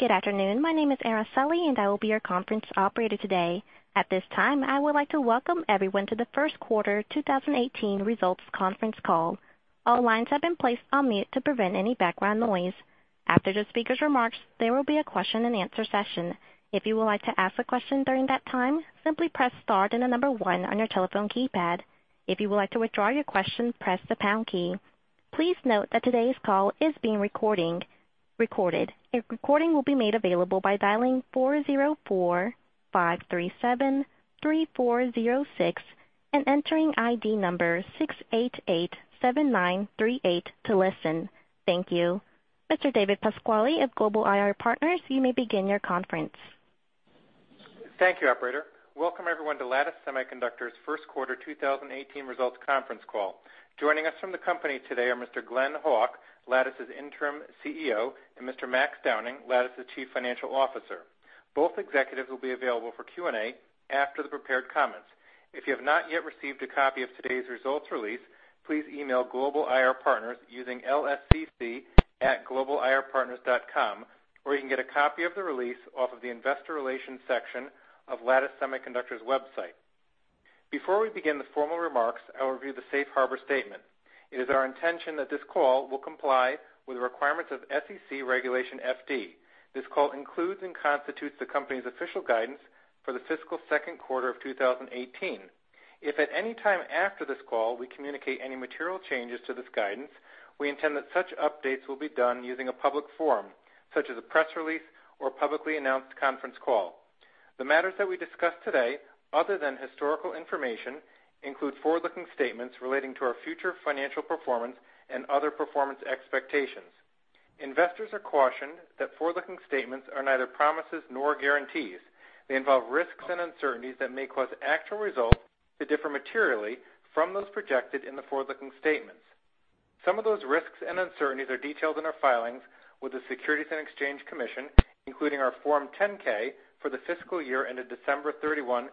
Good afternoon. My name is Araceli, and I will be your conference operator today. At this time, I would like to welcome everyone to the first quarter 2018 results conference call. All lines have been placed on mute to prevent any background noise. After the speaker's remarks, there will be a question and answer session. If you would like to ask a question during that time, simply press star, then the number one on your telephone keypad. If you would like to withdraw your question, press the pound key. Please note that today's call is being recorded. A recording will be made available by dialing 404-537-3406 and entering ID number 6887938 to listen. Thank you. Mr. David Pasquale of Global IR Partners, you may begin your conference. Thank you, operator. Welcome everyone to Lattice Semiconductor's first quarter 2018 results conference call. Joining us from the company today are Mr. Glen Hawk, Lattice's Interim Chief Executive Officer, and Mr. Max Downing, Lattice's Chief Financial Officer. Both executives will be available for Q&A after the prepared comments. If you have not yet received a copy of today's results release, please email Global IR Partners using lscc@globalirpartners.com, or you can get a copy of the release off of the investor relations section of Lattice Semiconductor's website. Before we begin the formal remarks, I'll review the safe harbor statement. It is our intention that this call will comply with the requirements of SEC Regulation FD. This call includes and constitutes the company's official guidance for the fiscal second quarter of 2018. If at any time after this call, we communicate any material changes to this guidance, we intend that such updates will be done using a public forum, such as a press release or publicly announced conference call. The matters that we discuss today, other than historical information, include forward-looking statements relating to our future financial performance and other performance expectations. Investors are cautioned that forward-looking statements are neither promises nor guarantees. They involve risks and uncertainties that may cause actual results to differ materially from those projected in the forward-looking statements. Some of those risks and uncertainties are detailed in our filings with the Securities and Exchange Commission, including our Form 10-K for the fiscal year ended December 31,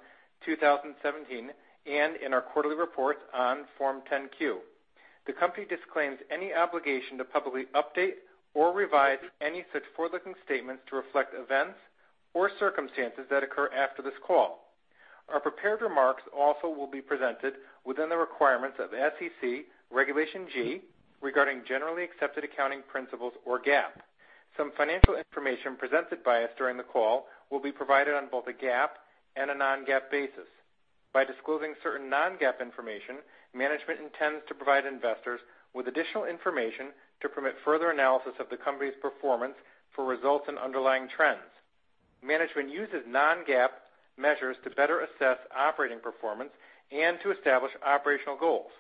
2017, and in our quarterly reports on Form 10-Q. The company disclaims any obligation to publicly update or revise any such forward-looking statements to reflect events or circumstances that occur after this call. Our prepared remarks also will be presented within the requirements of SEC Regulation G regarding generally accepted accounting principles or GAAP. Some financial information presented by us during the call will be provided on both a GAAP and a non-GAAP basis. By disclosing certain non-GAAP information, management intends to provide investors with additional information to permit further analysis of the company's performance for results and underlying trends. Management uses non-GAAP measures to better assess operating performance and to establish operational goals.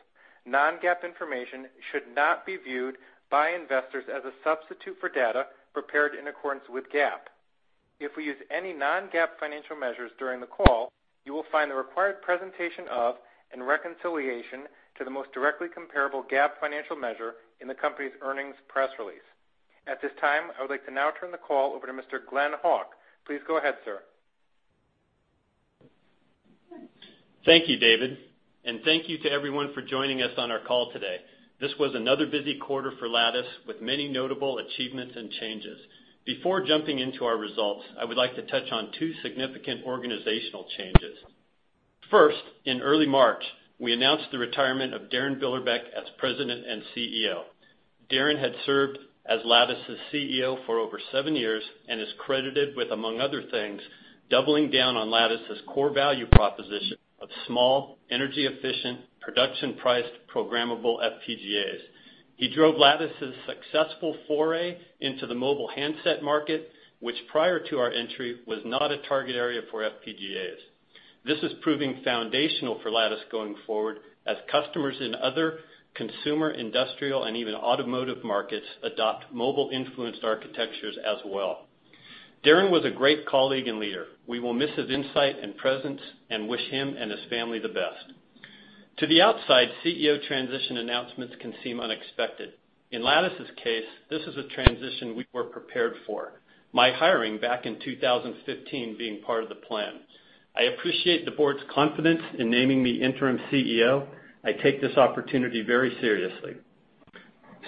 Non-GAAP information should not be viewed by investors as a substitute for data prepared in accordance with GAAP. If we use any non-GAAP financial measures during the call, you will find the required presentation of and reconciliation to the most directly comparable GAAP financial measure in the company's earnings press release. At this time, I would like to now turn the call over to Mr. Glen Hawk. Please go ahead, sir. Thank you, David, and thank you to everyone for joining us on our call today. This was another busy quarter for Lattice with many notable achievements and changes. Before jumping into our results, I would like to touch on two significant organizational changes. First, in early March, we announced the retirement of Darin Billerbeck as President and Chief Executive Officer. Darin had served as Lattice's CEO for over seven years and is credited with, among other things, doubling down on Lattice's core value proposition of small, energy-efficient, production-priced programmable FPGAs. He drove Lattice's successful foray into the mobile handset market, which prior to our entry was not a target area for FPGAs. This is proving foundational for Lattice going forward as customers in other consumer, industrial, and even automotive markets adopt mobile-influenced architectures as well. Darin was a great colleague and leader. We will miss his insight and presence and wish him and his family the best. To the outside, CEO transition announcements can seem unexpected. In Lattice's case, this is a transition we were prepared for, my hiring back in 2015 being part of the plan. I appreciate the board's confidence in naming me interim CEO. I take this opportunity very seriously.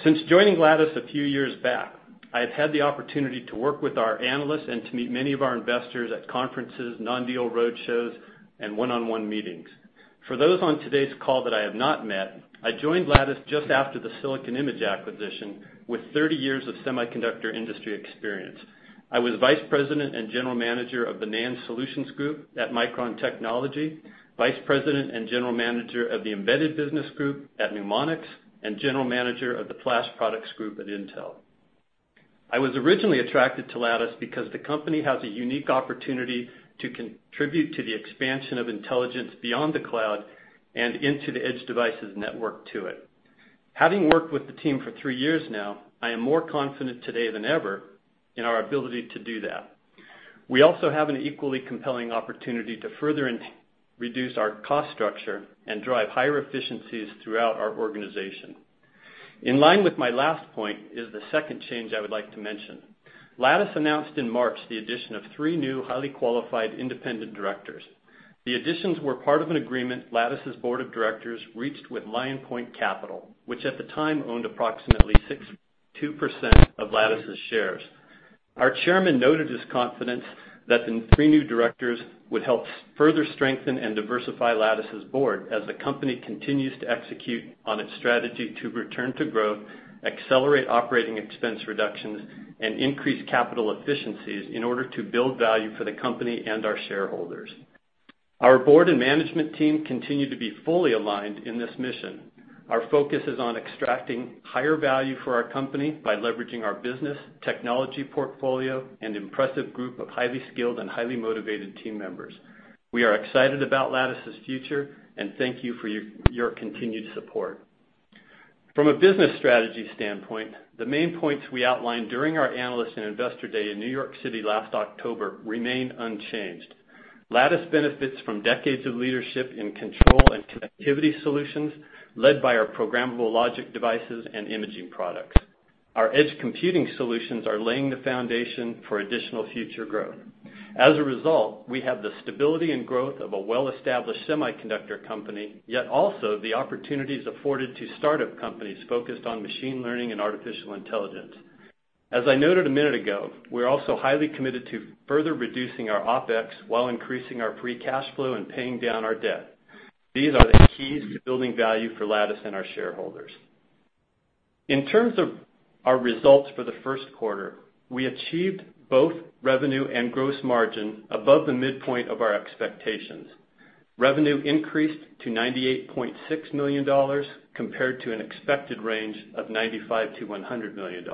Since joining Lattice a few years back, I have had the opportunity to work with our analysts and to meet many of our investors at conferences, non-deal roadshows, and one-on-one meetings. For those on today's call that I have not met, I joined Lattice just after the Silicon Image acquisition with 30 years of semiconductor industry experience. I was vice president and general manager of the NAND Solutions Group at Micron Technology, vice president and general manager of the Embedded Business Group at Numonyx, and general manager of the Flash Products Group at Intel. I was originally attracted to Lattice because the company has a unique opportunity to contribute to the expansion of intelligence beyond the cloud and into the edge devices network to it. Having worked with the team for three years now, I am more confident today than ever in our ability to do that. We also have an equally compelling opportunity to further reduce our cost structure and drive higher efficiencies throughout our organization. In line with my last point is the second change I would like to mention. Lattice announced in March the addition of three new highly qualified independent directors. The additions were part of an agreement Lattice's board of directors reached with Lion Point Capital, which at the time owned approximately 62% of Lattice's shares. Our chairman noted his confidence that the three new directors would help further strengthen and diversify Lattice's board as the company continues to execute on its strategy to return to growth, accelerate operating expense reductions, and increase capital efficiencies in order to build value for the company and our shareholders. Our board and management team continue to be fully aligned in this mission. Our focus is on extracting higher value for our company by leveraging our business, technology portfolio, and impressive group of highly skilled and highly motivated team members. We are excited about Lattice's future, and thank you for your continued support. From a business strategy standpoint, the main points we outlined during our analyst and investor day in New York City last October remain unchanged. Lattice benefits from decades of leadership in control and connectivity solutions led by our programmable logic devices and imaging products. Our edge computing solutions are laying the foundation for additional future growth. As a result, we have the stability and growth of a well-established semiconductor company, yet also the opportunities afforded to startup companies focused on machine learning and artificial intelligence. As I noted a minute ago, we're also highly committed to further reducing our OpEx while increasing our free cash flow and paying down our debt. These are the keys to building value for Lattice and our shareholders. In terms of our results for the first quarter, we achieved both revenue and gross margin above the midpoint of our expectations. Revenue increased to $98.6 million compared to an expected range of $95 million-$100 million.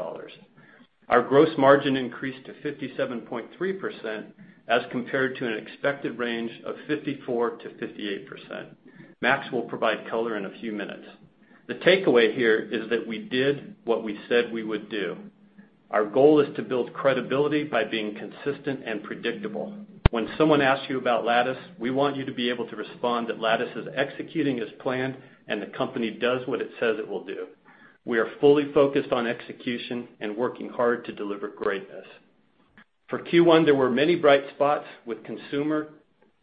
Our gross margin increased to 57.3% as compared to an expected range of 54%-58%. Max will provide color in a few minutes. The takeaway here is that we did what we said we would do. Our goal is to build credibility by being consistent and predictable. When someone asks you about Lattice, we want you to be able to respond that Lattice is executing as planned and the company does what it says it will do. We are fully focused on execution and working hard to deliver greatness. For Q1, there were many bright spots with consumer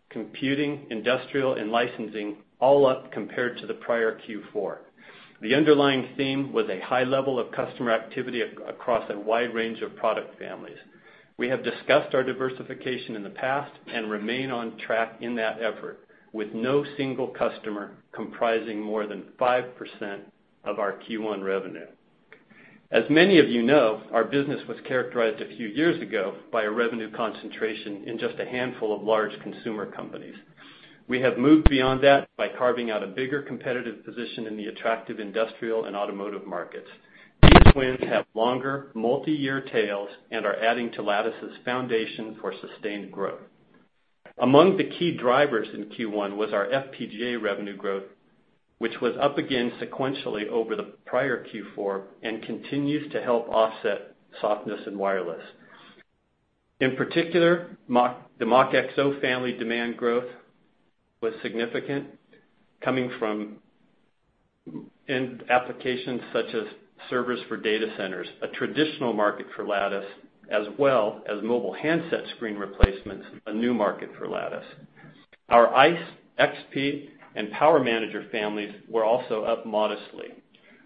computing, industrial, and licensing all up compared to the prior Q4. The underlying theme was a high level of customer activity across a wide range of product families. We have discussed our diversification in the past and remain on track in that effort, with no single customer comprising more than 5% of our Q1 revenue. As many of you know, our business was characterized a few years ago by a revenue concentration in just a handful of large consumer companies. We have moved beyond that by carving out a bigger competitive position in the attractive industrial and automotive markets. These wins have longer, multi-year tails and are adding to Lattice's foundation for sustained growth. Among the key drivers in Q1 was our FPGA revenue growth, which was up again sequentially over the prior Q4 and continues to help offset softness in wireless. In particular, the MachXO family demand growth was significant, coming from end applications such as servers for data centers, a traditional market for Lattice, as well as mobile handset screen replacements, a new market for Lattice. Our iCE, LatticeXP, and Power Manager families were also up modestly.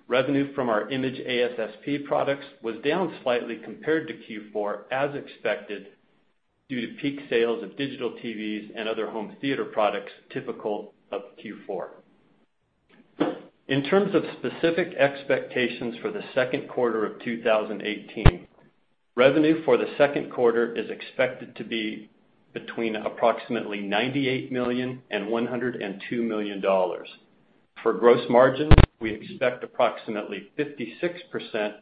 Revenue from our image ASSP products was down slightly compared to Q4, as expected, due to peak sales of digital TVs and other home theater products typical of Q4. In terms of specific expectations for the second quarter of 2018, revenue for the second quarter is expected to be between approximately $98 million and $102 million. For gross margin, we expect approximately 56%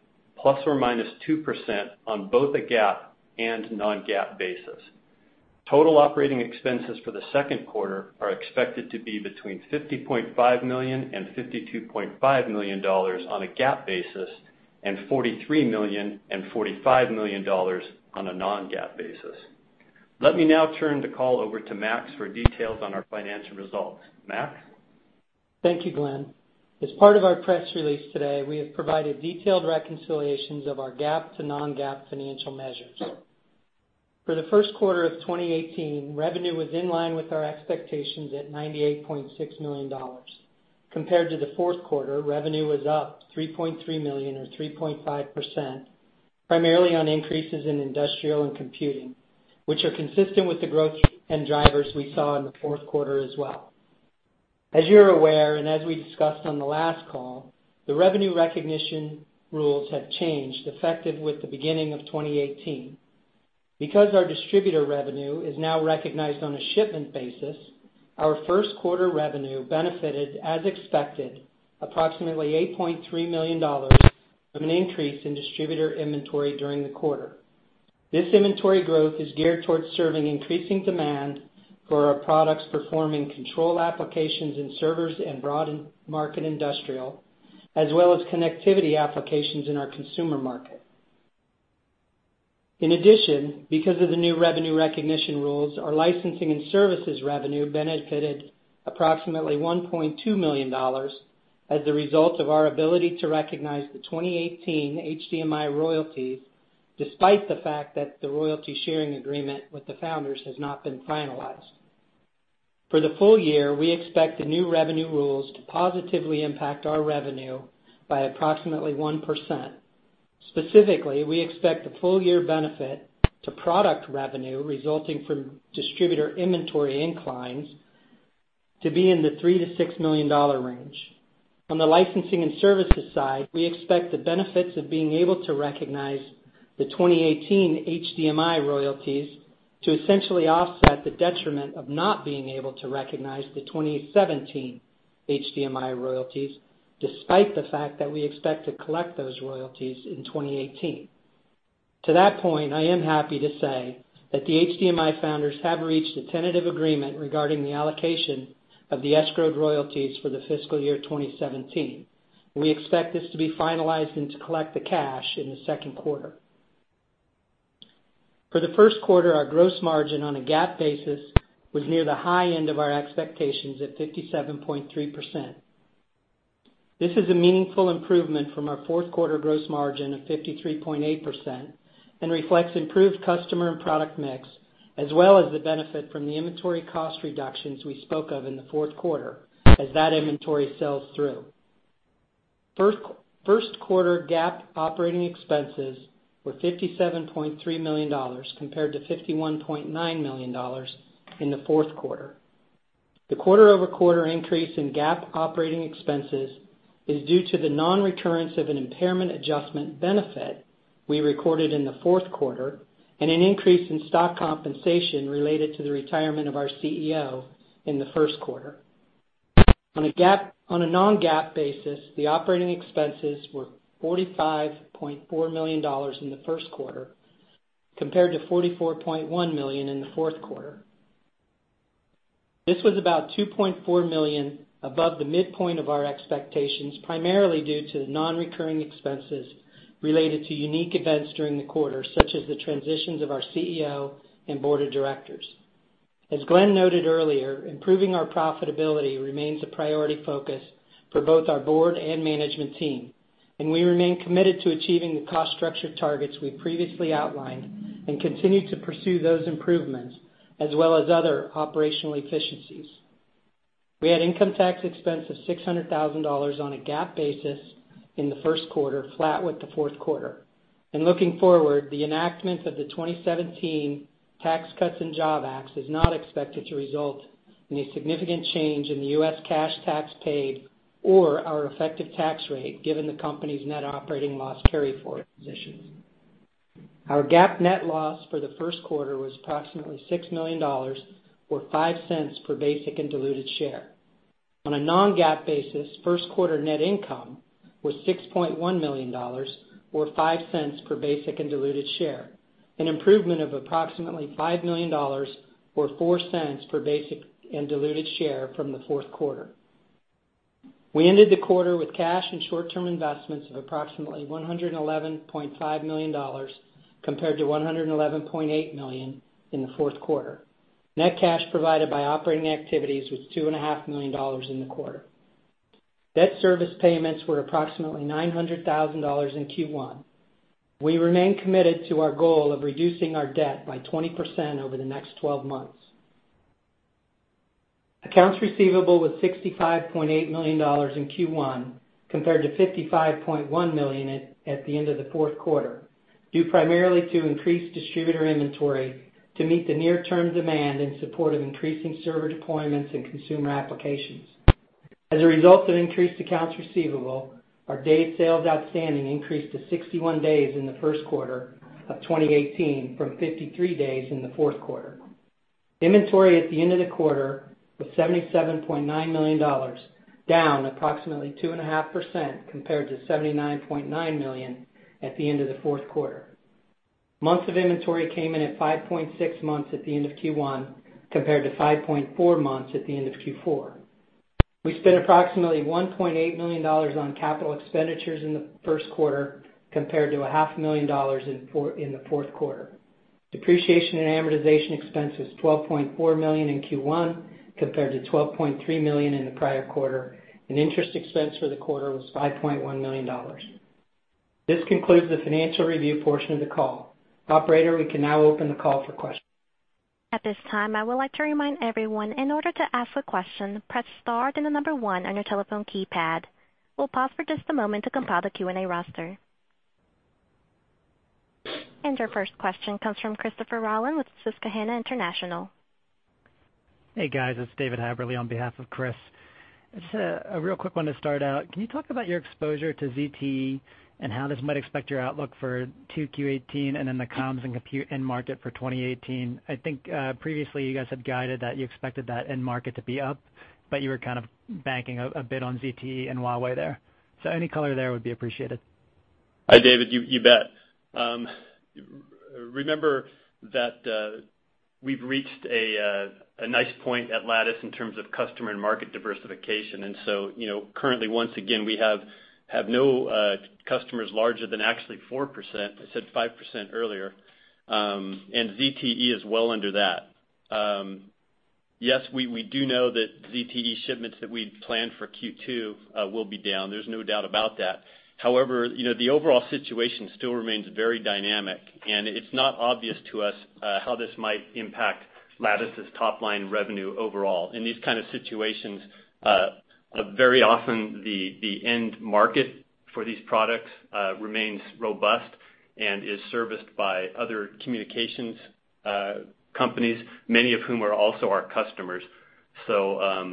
±2% on both a GAAP and non-GAAP basis. Total operating expenses for the second quarter are expected to be between $50.5 million and $52.5 million on a GAAP basis and $43 million and $45 million on a non-GAAP basis. Let me now turn the call over to Max for details on our financial results. Max? Thank you, Glen. As part of our press release today, we have provided detailed reconciliations of our GAAP to non-GAAP financial measures. For the first quarter of 2018, revenue was in line with our expectations at $98.6 million. Compared to the fourth quarter, revenue was up $3.3 million or 3.5%, primarily on increases in industrial and computing, which are consistent with the growth and drivers we saw in the fourth quarter as well. As you are aware, as we discussed on the last call, the revenue recognition rules have changed, effective with the beginning of 2018. Because our distributor revenue is now recognized on a shipment basis, our first quarter revenue benefited, as expected, approximately $8.3 million from an increase in distributor inventory during the quarter. This inventory growth is geared towards serving increasing demand for our products performing control applications in servers and broad market industrial, as well as connectivity applications in our consumer market. In addition, because of the new revenue recognition rules, our licensing and services revenue benefited approximately $1.2 million as the result of our ability to recognize the 2018 HDMI royalties, despite the fact that the royalty sharing agreement with the founders has not been finalized. For the full year, we expect the new revenue rules to positively impact our revenue by approximately 1%. Specifically, we expect the full-year benefit to product revenue resulting from distributor inventory inclines to be in the $3 million-$6 million range. On the licensing and services side, we expect the benefits of being able to recognize the 2018 HDMI royalties to essentially offset the detriment of not being able to recognize the 2017 HDMI royalties, despite the fact that we expect to collect those royalties in 2018. To that point, I am happy to say that the HDMI founders have reached a tentative agreement regarding the allocation of the escrowed royalties for the fiscal year 2017. We expect this to be finalized and to collect the cash in the second quarter. For the first quarter, our gross margin on a GAAP basis was near the high end of our expectations at 57.3%. This is a meaningful improvement from our fourth quarter gross margin of 53.8% and reflects improved customer and product mix, as well as the benefit from the inventory cost reductions we spoke of in the fourth quarter as that inventory sells through. First quarter GAAP operating expenses were $57.3 million compared to $51.9 million in the fourth quarter. The quarter-over-quarter increase in GAAP operating expenses is due to the non-recurrence of an impairment adjustment benefit we recorded in the fourth quarter and an increase in stock compensation related to the retirement of our CEO in the first quarter. On a non-GAAP basis, the operating expenses were $45.4 million in the first quarter compared to $44.1 million in the fourth quarter. This was about $2.4 million above the midpoint of our expectations, primarily due to the non-recurring expenses related to unique events during the quarter, such as the transitions of our CEO and board of directors. As Glen noted earlier, improving our profitability remains a priority focus for both our board and management team, we remain committed to achieving the cost structure targets we previously outlined and continue to pursue those improvements as well as other operational efficiencies. We had income tax expense of $600,000 on a GAAP basis in the first quarter, flat with the fourth quarter. Looking forward, the enactment of the 2017 Tax Cuts and Jobs Act is not expected to result in a significant change in the U.S. cash tax paid or our effective tax rate given the company's net operating loss carryforward position. Our GAAP net loss for the first quarter was approximately $6 million, or $0.05 per basic and diluted share. On a non-GAAP basis, first quarter net income was $6.1 million, or $0.05 per basic and diluted share, an improvement of approximately $5 million or $0.04 per basic and diluted share from the fourth quarter. We ended the quarter with cash and short-term investments of approximately $111.5 million, compared to $111.8 million in the fourth quarter. Net cash provided by operating activities was $2.5 million in the quarter. Debt service payments were approximately $900,000 in Q1. We remain committed to our goal of reducing our debt by 20% over the next 12 months. Accounts receivable was $65.8 million in Q1 compared to $55.1 million at the end of the fourth quarter, due primarily to increased distributor inventory to meet the near-term demand in support of increasing server deployments and consumer applications. As a result of increased accounts receivable, our day sales outstanding increased to 61 days in the first quarter of 2018 from 53 days in the fourth quarter. Inventory at the end of the quarter was $77.9 million, down approximately 2.5% compared to $79.9 million at the end of the fourth quarter. Months of inventory came in at 5.6 months at the end of Q1, compared to 5.4 months at the end of Q4. We spent approximately $1.8 million on capital expenditures in the first quarter, compared to a half million dollars in the fourth quarter. Depreciation and amortization expense was $12.4 million in Q1, compared to $12.3 million in the prior quarter, and interest expense for the quarter was $5.1 million. This concludes the financial review portion of the call. Operator, we can now open the call for questions. At this time, I would like to remind everyone, in order to ask a question, press star, then the number one on your telephone keypad. We'll pause for just a moment to compile the Q&A roster. Our first question comes from Christopher Rolland with Susquehanna International. Hey, guys, it's David Haberle on behalf of Chris. Just a real quick one to start out. Can you talk about your exposure to ZTE and how this might affect your outlook for 2Q18 and then the comms and compute end market for 2018? I think previously you guys had guided that you expected that end market to be up, but you were kind of banking a bit on ZTE and Huawei there. Any color there would be appreciated. Hi, David, you bet. Remember that we've reached a nice point at Lattice in terms of customer and market diversification. Currently, once again, we have no customers larger than actually 4%. I said 5% earlier, and ZTE is well under that. Yes, we do know that ZTE shipments that we'd planned for Q2 will be down. There's no doubt about that. However, the overall situation still remains very dynamic, and it's not obvious to us how this might impact. Lattice's top-line revenue overall. In these kind of situations, very often the end market for these products remains robust and is serviced by other communications companies, many of whom are also our customers. The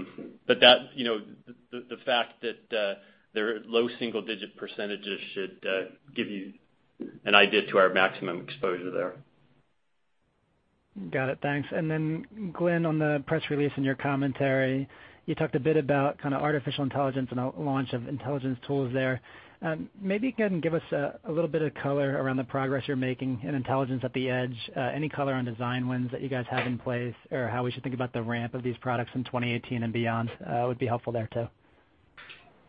fact that they're low single-digit % should give you an idea to our maximum exposure there. Got it. Thanks. Then Glen, on the press release in your commentary, you talked a bit about artificial intelligence and a launch of intelligence tools there. Maybe you can give us a little bit of color around the progress you're making in intelligence at the edge. Any color on design wins that you guys have in place, or how we should think about the ramp of these products in 2018 and beyond would be helpful there, too.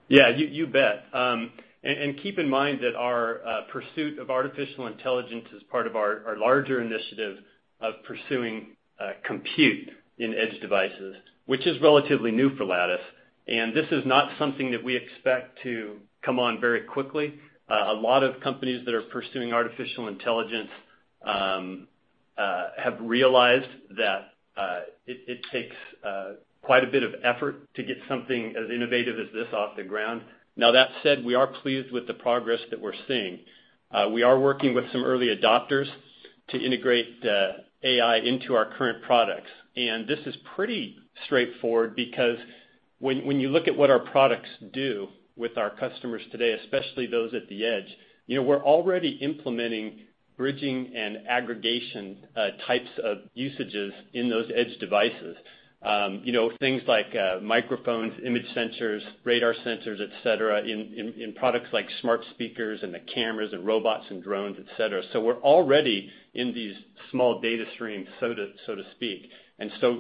Yeah, you bet. Keep in mind that our pursuit of artificial intelligence is part of our larger initiative of pursuing compute in edge devices, which is relatively new for Lattice, this is not something that we expect to come on very quickly. A lot of companies that are pursuing artificial intelligence have realized that it takes quite a bit of effort to get something as innovative as this off the ground. That said, we are pleased with the progress that we're seeing. We are working with some early adopters to integrate AI into our current products. This is pretty straightforward because when you look at what our products do with our customers today, especially those at the edge, we're already implementing bridging and aggregation types of usages in those edge devices. Things like microphones, image sensors, radar sensors, et cetera, in products like smart speakers and the cameras and robots and drones, et cetera. We're already in these small data streams, so to speak.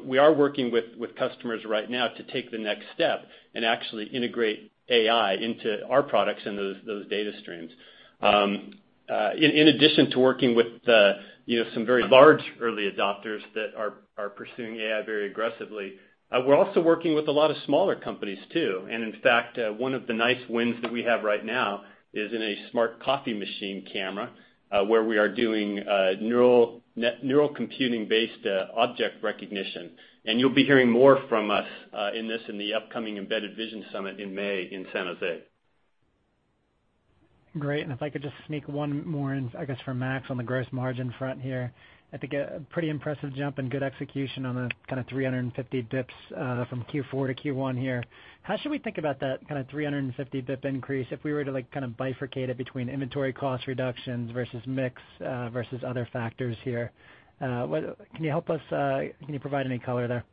We are working with customers right now to take the next step and actually integrate AI into our products and those data streams. In addition to working with some very large early adopters that are pursuing AI very aggressively, we're also working with a lot of smaller companies, too. In fact, one of the nice wins that we have right now is in a smart coffee machine camera, where we are doing neural computing-based object recognition. You'll be hearing more from us in this in the upcoming Embedded Vision Summit in May in San Jose. Great. If I could just sneak one more in, I guess, for Max Downing on the gross margin front here. I think a pretty impressive jump and good execution on the kind of 350 basis points from Q4 to Q1 here. How should we think about that kind of 350 basis points increase if we were to bifurcate it between inventory cost reductions versus mix, versus other factors here? Can you provide any color there?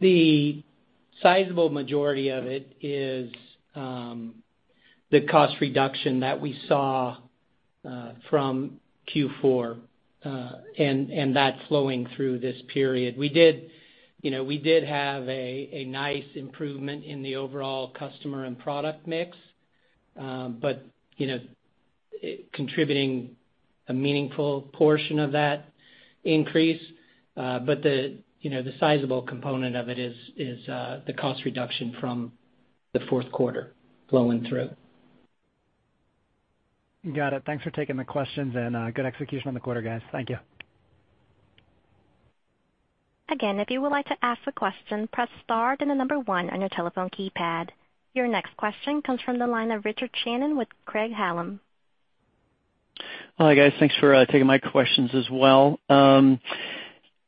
The sizable majority of it is the cost reduction that we saw from Q4 and that flowing through this period. We did have a nice improvement in the overall customer and product mix, contributing a meaningful portion of that increase. The sizable component of it is the cost reduction from the fourth quarter flowing through. Got it. Thanks for taking the questions and good execution on the quarter, guys. Thank you. Again, if you would like to ask a question, press star, then the number one on your telephone keypad. Your next question comes from the line of Richard Shannon with Craig-Hallum. Hi, guys. Thanks for taking my questions as well.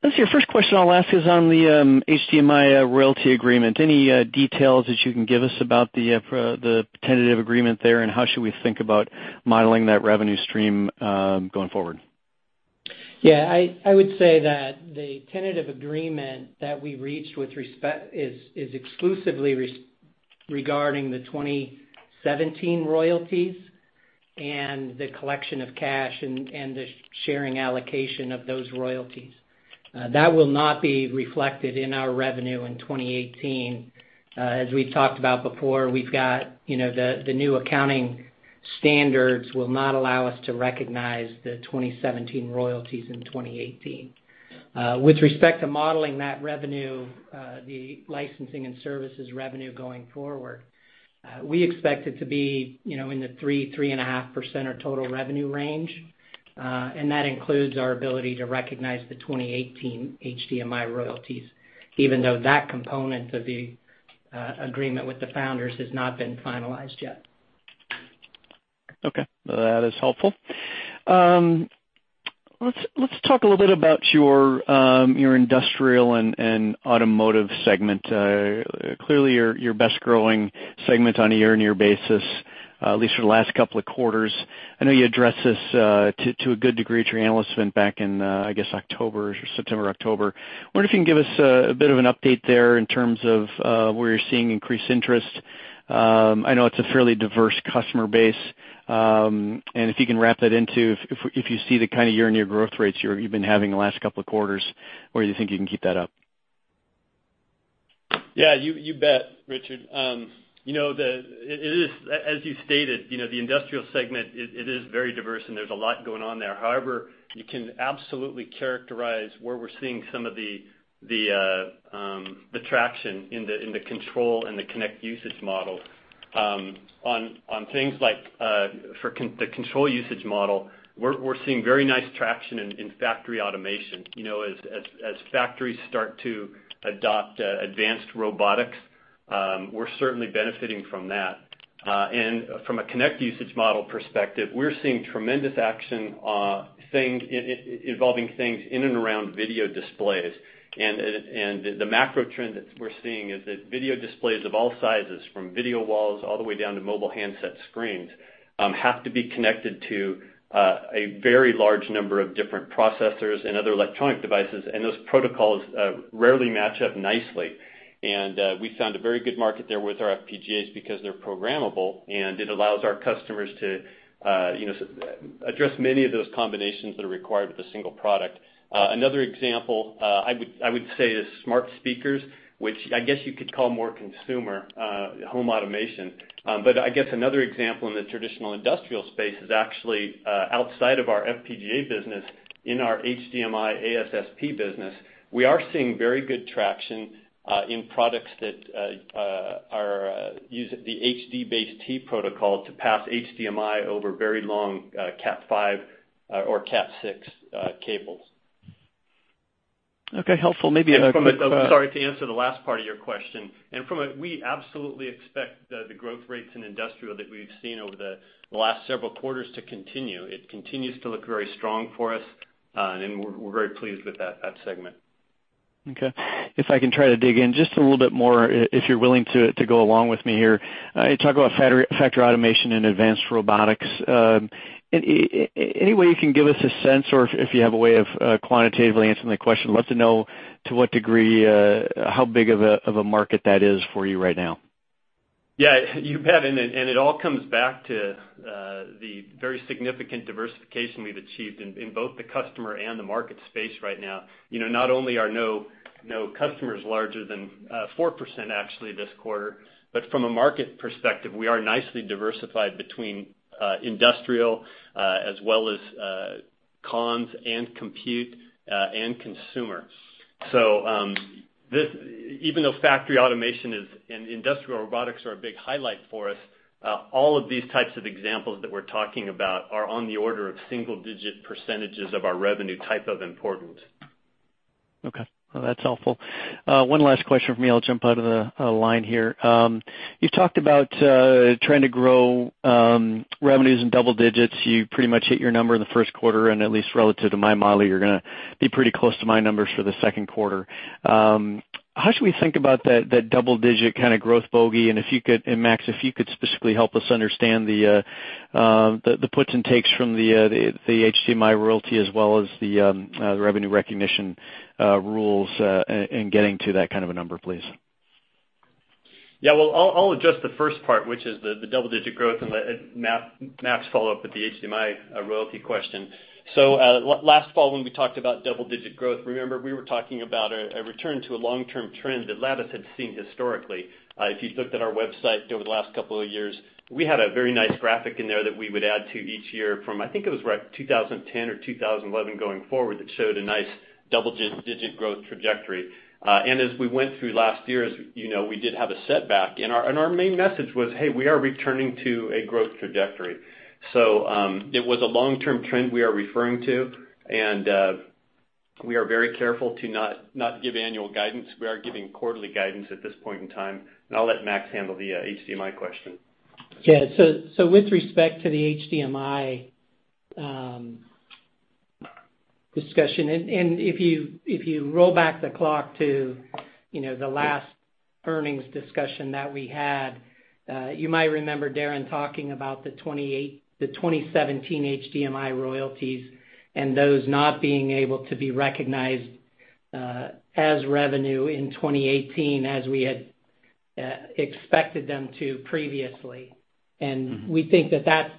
Let's see, first question I'll ask is on the HDMI royalty agreement. Any details that you can give us about the tentative agreement there, and how should we think about modeling that revenue stream going forward? Yeah, I would say that the tentative agreement that we reached is exclusively regarding the 2017 royalties and the collection of cash and the sharing allocation of those royalties. That will not be reflected in our revenue in 2018. As we've talked about before, the new accounting standards will not allow us to recognize the 2017 royalties in 2018. With respect to modeling that revenue, the licensing and services revenue going forward, we expect it to be in the 3%-3.5% our total revenue range. That includes our ability to recognize the 2018 HDMI royalties, even though that component of the agreement with the founders has not been finalized yet. Okay. That is helpful. Let's talk a little bit about your industrial and automotive segment. Clearly, your best-growing segment on a year-on-year basis, at least for the last couple of quarters. I know you addressed this to a good degree at your analyst event back in, I guess, September or October. Wonder if you can give us a bit of an update there in terms of where you're seeing increased interest. I know it's a fairly diverse customer base. If you can wrap that into if you see the kind of year-on-year growth rates you've been having the last couple of quarters, or you think you can keep that up. Yeah, you bet, Richard. As you stated, the industrial segment, it is very diverse and there's a lot going on there. However, you can absolutely characterize where we're seeing some of the traction in the control and the connect usage model. On things like for the control usage model, we're seeing very nice traction in factory automation. As factories start to adopt advanced robotics, we're certainly benefiting from that. From a connect usage model perspective, we're seeing tremendous action involving things in and around video displays. The macro trend that we're seeing is that video displays of all sizes, from video walls, all the way down to mobile handset screens, have to be connected to a very large number of different processors and other electronic devices, and those protocols rarely match up nicely. We found a very good market there with our FPGAs because they're programmable, and it allows our customers to address many of those combinations that are required with a single product. Another example, I would say, is smart speakers, which I guess you could call more consumer home automation. I guess another example in the traditional industrial space is actually outside of our FPGA business, in our HDMI ASSP business. We are seeing very good traction in products that are using the HDBaseT protocol to pass HDMI over very long Cat5 or Cat6 cables. Okay, helpful. Sorry, to answer the last part of your question. We absolutely expect the growth rates in industrial that we've seen over the last several quarters to continue. It continues to look very strong for us, and we're very pleased with that segment. Okay. If I can try to dig in just a little bit more, if you're willing to go along with me here. You talk about factory automation and advanced robotics. Any way you can give us a sense, or if you have a way of quantitatively answering the question, I'd love to know to what degree, how big of a market that is for you right now. Yeah, you bet. It all comes back to the very significant diversification we've achieved in both the customer and the market space right now. Not only are no customers larger than 4% actually this quarter, but from a market perspective, we are nicely diversified between industrial as well as comms and compute and consumer. Even though factory automation and industrial robotics are a big highlight for us, all of these types of examples that we're talking about are on the order of single-digit percentages of our revenue type of important. Okay. That's helpful. One last question from me. I'll jump out of the line here. You've talked about trying to grow revenues in double digits. You pretty much hit your number in the first quarter, and at least relative to my model, you're going to be pretty close to my numbers for the second quarter. How should we think about that double-digit kind of growth bogey? Max, if you could specifically help us understand the puts and takes from the HDMI royalty as well as the revenue recognition rules in getting to that kind of a number, please. Yeah. I'll address the first part, which is the double-digit growth, and Max follow up with the HDMI royalty question. Last fall when we talked about double-digit growth, remember, we were talking about a return to a long-term trend that Lattice had seen historically. If you looked at our website over the last couple of years, we had a very nice graphic in there that we would add to each year from, I think it was right 2010 or 2011 going forward, that showed a nice double-digit growth trajectory. As we went through last year, as you know, we did have a setback. Our main message was, "Hey, we are returning to a growth trajectory." It was a long-term trend we are referring to, and we are very careful to not give annual guidance. We are giving quarterly guidance at this point in time, and I'll let Max handle the HDMI question. Yeah. With respect to the HDMI discussion, if you roll back the clock to the last earnings discussion that we had, you might remember Darin talking about the 2017 HDMI royalties and those not being able to be recognized as revenue in 2018 as we had expected them to previously. We think that that's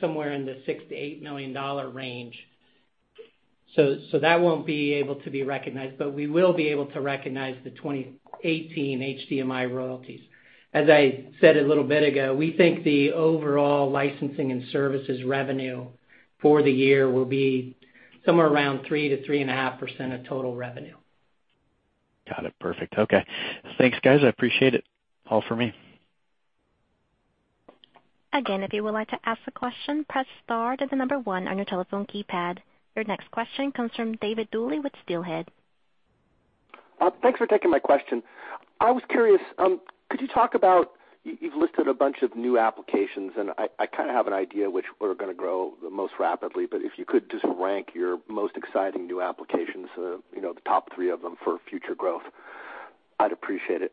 somewhere in the $6 million-$8 million range. That won't be able to be recognized, we will be able to recognize the 2018 HDMI royalties. As I said a little bit ago, we think the overall licensing and services revenue for the year will be somewhere around 3%-3.5% of total revenue. Got it. Perfect. Okay. Thanks, guys. I appreciate it. All for me. Again, if you would like to ask a question, press star then the number 1 on your telephone keypad. Your next question comes from David Duley with Steelhead. Thanks for taking my question. I was curious, could you talk about, you've listed a bunch of new applications, I kind of have an idea which were going to grow the most rapidly, if you could just rank your most exciting new applications, the top 3 of them for future growth, I'd appreciate it.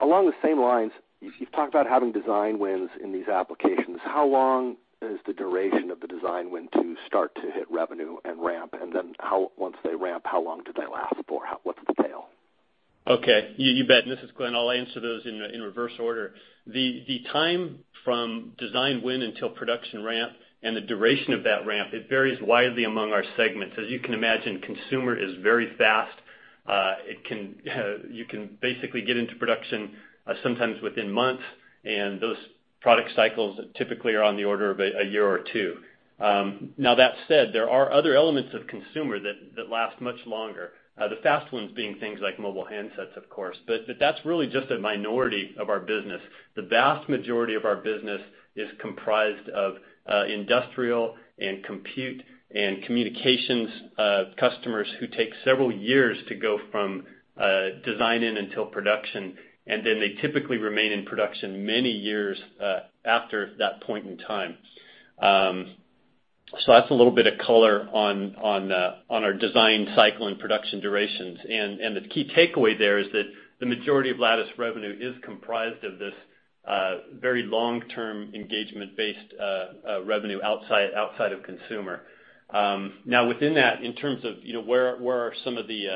Along the same lines, you've talked about having design wins in these applications. How long is the duration of the design win to start to hit revenue and ramp? Once they ramp, how long do they last for? What's the tail? Okay. You bet. This is Glen. I'll answer those in reverse order. The time from design win until production ramp and the duration of that ramp, it varies widely among our segments. As you can imagine, consumer is very fast. You can basically get into production sometimes within months. Product cycles typically are on the order of a year or two. That said, there are other elements of consumer that last much longer, the fast ones being things like mobile handsets, of course. That's really just a minority of our business. The vast majority of our business is comprised of industrial and compute and communications customers who take several years to go from design in until production, and then they typically remain in production many years after that point in time. That's a little bit of color on our design cycle and production durations. The key takeaway there is that the majority of Lattice revenue is comprised of this very long-term engagement-based revenue outside of consumer. Now, within that, in terms of where are some of the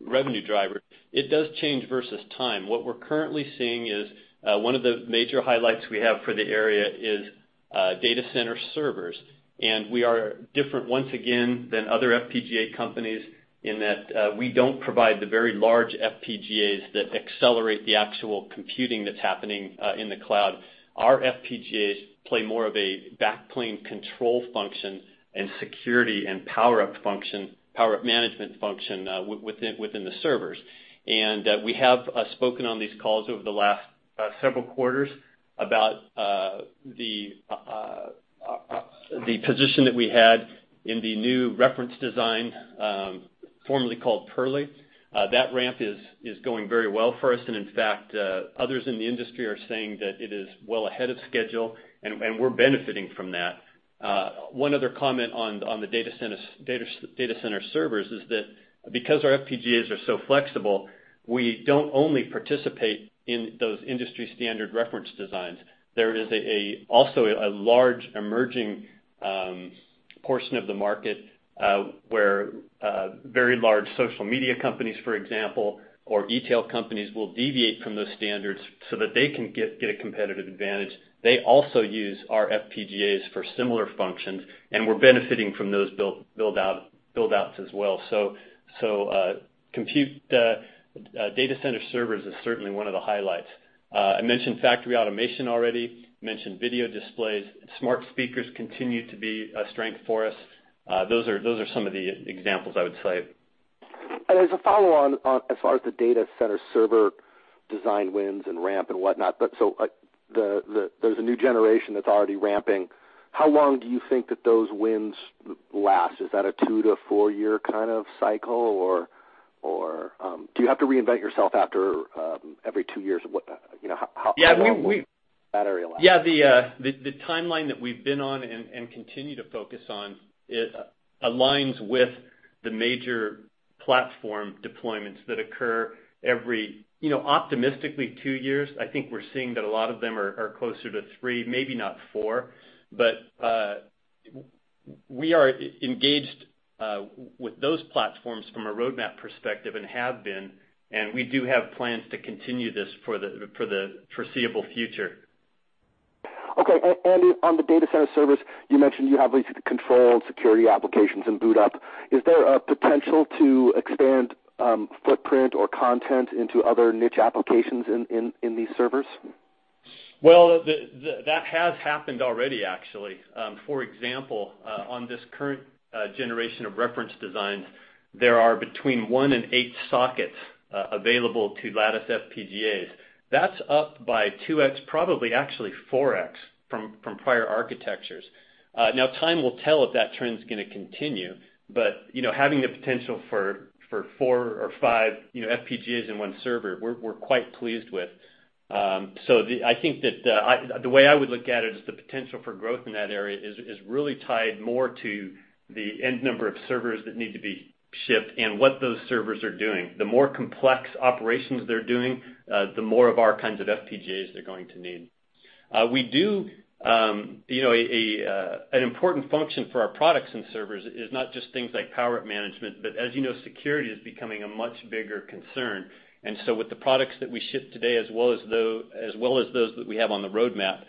revenue drivers, it does change versus time. What we're currently seeing is one of the major highlights we have for the area is data center servers. We are different, once again, than other FPGAs companies in that we don't provide the very large FPGAs that accelerate the actual computing that's happening in the cloud. Our FPGAs play more of a backplane control function and security and power-up management function within the servers. We have spoken on these calls over the last several quarters about the position that we had in the new reference design, formerly called Purley. That ramp is going very well for us. In fact, others in the industry are saying that it is well ahead of schedule, and we're benefiting from that. One other comment on the data center servers is that because our FPGAs are so flexible, we don't only participate in those industry-standard reference designs. There is also a large emerging portion of the market, where very large social media companies, for example, or e-tail companies will deviate from those standards so that they can get a competitive advantage. They also use our FPGAs for similar functions, and we're benefiting from those build-outs as well. Compute data center servers is certainly one of the highlights. I mentioned factory automation already. I mentioned video displays. Smart speakers continue to be a strength for us. Those are some of the examples I would cite. As a follow on, as far as the data center server design wins and ramp and whatnot, there's a new generation that's already ramping. How long do you think that those wins last? Is that a 2-4-year kind of cycle, or do you have to reinvent yourself after every two years? How does that area last? Yeah. The timeline that we've been on and continue to focus on aligns with the major platform deployments that occur every, optimistically, two years. I think we're seeing that a lot of them are closer to three, maybe not four. We are engaged with those platforms from a roadmap perspective and have been, and we do have plans to continue this for the foreseeable future. Okay. On the data center servers, you mentioned you have these control and security applications and boot up. Is there a potential to expand footprint or content into other niche applications in these servers? Well, that has happened already, actually. For example, on this current generation of reference designs, there are between one and eight sockets available to Lattice FPGAs. That's up by 2X, probably actually 4X, from prior architectures. Now, time will tell if that trend's going to continue, but having the potential for four or five FPGAs in one server, we're quite pleased with. I think that the way I would look at it is the potential for growth in that area is really tied more to the end number of servers that need to be shipped and what those servers are doing. The more complex operations they're doing, the more of our kinds of FPGAs they're going to need. An important function for our products and servers is not just things like power management, but as you know, security is becoming a much bigger concern. With the products that we ship today as well as those that we have on the roadmap,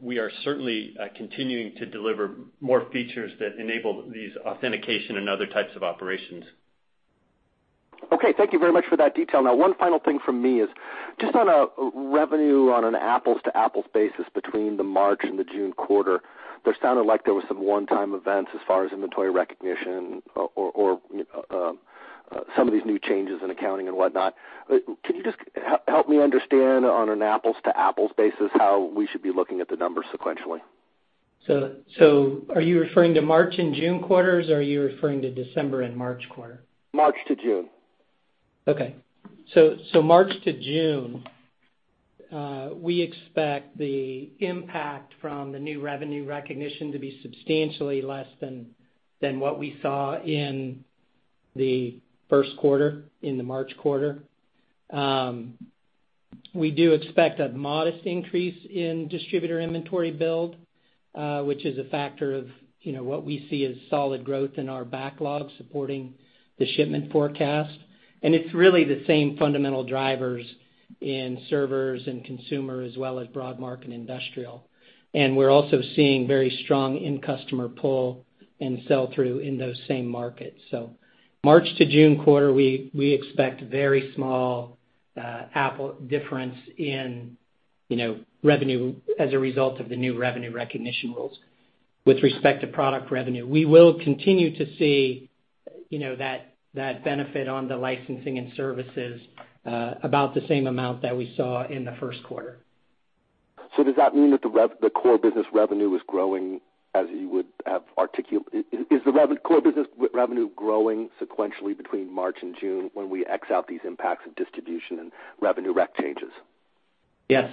we are certainly continuing to deliver more features that enable these authentication and other types of operations. Okay. Thank you very much for that detail. One final thing from me is just on a revenue on an apples-to-apples basis between the March and the June quarter, there sounded like there was some one-time events as far as inventory recognition or some of these new changes in accounting and whatnot. Can you just help me understand on an apples-to-apples basis how we should be looking at the numbers sequentially? Are you referring to March and June quarters, or are you referring to December and March quarter? March to June. Okay. March to June, we expect the impact from the new revenue recognition to be substantially less than what we saw in the first quarter, in the March quarter. We do expect a modest increase in distributor inventory build, which is a factor of what we see as solid growth in our backlog supporting the shipment forecast. It's really the same fundamental drivers in servers and consumer as well as broad market industrial. We're also seeing very strong end customer pull and sell-through in those same markets. March to June quarter, we expect very small difference in revenue as a result of the new revenue recognition rules. With respect to product revenue, we will continue to see that benefit on the licensing and services about the same amount that we saw in the first quarter. Is the core business revenue growing sequentially between March and June when we X out these impacts of distribution and revenue rec changes? Yes.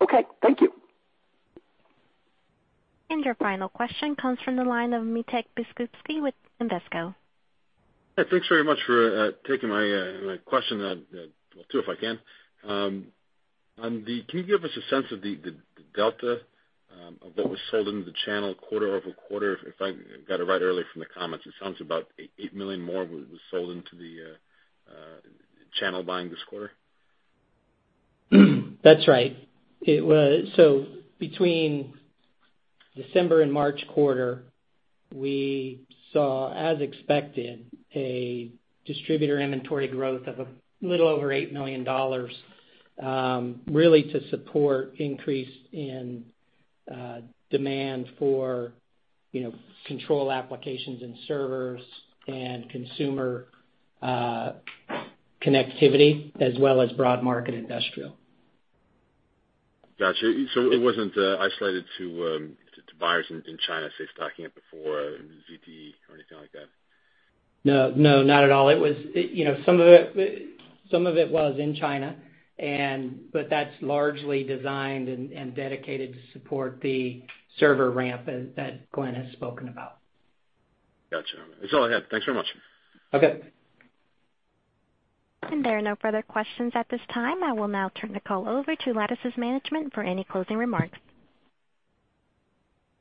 Okay, thank you. Your final question comes from the line of Mietek Biskupski with Invesco. Thanks very much for taking my question, well, two, if I can. Can you give us a sense of the delta of what was sold into the channel quarter-over-quarter? If I got it right earlier from the comments, it sounds about $8 million more was sold into the channel buying this quarter. That's right. Between December and March quarter, we saw, as expected, a distributor inventory growth of a little over $8 million, really to support increase in demand for control applications and servers and consumer connectivity, as well as broad market industrial. Got you. It wasn't isolated to buyers in China, say, stocking up before ZTE or anything like that? No, not at all. Some of it was in China, that's largely designed and dedicated to support the server ramp that Glen has spoken about. Got you. That's all I had. Thanks very much. Okay. There are no further questions at this time. I will now turn the call over to Lattice's management for any closing remarks.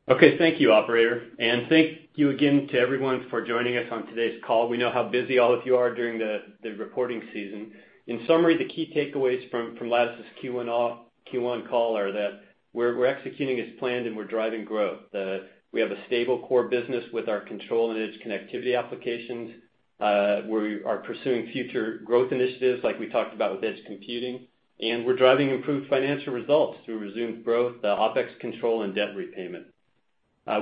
Okay. Thank you, operator. Thank you again to everyone for joining us on today's call. We know how busy all of you are during the reporting season. In summary, the key takeaways from Lattice's Q1 call are that we're executing as planned and we're driving growth. We have a stable core business with our control and edge connectivity applications. We are pursuing future growth initiatives, like we talked about with edge computing, and we're driving improved financial results through resumed growth, OpEx control, and debt repayment.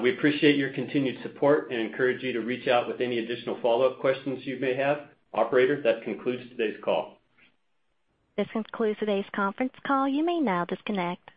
We appreciate your continued support and encourage you to reach out with any additional follow-up questions you may have. Operator, that concludes today's call. This concludes today's conference call. You may now disconnect.